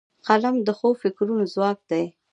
قلم د ښو فکرونو ځواک دی